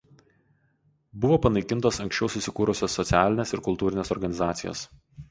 Buvo panaikintos anksčiau susikūrusios socialinės ir kultūrinės organizacijos.